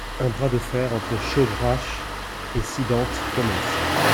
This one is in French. Un bras de fer entre Shobhraj et Siddhant commence.